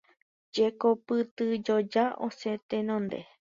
Jekopytyjoja osẽ tenonde.